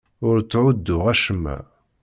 Ur tthudduɣ acemma.